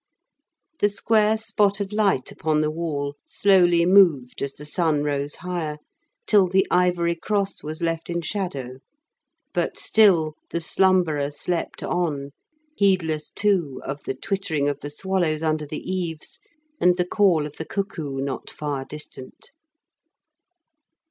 The square spot of light upon the wall slowly moved as the sun rose higher, till the ivory cross was left in shadow, but still the slumberer slept on, heedless, too, of the twittering of the swallows under the eaves, and the call of the cuckoo not far distant.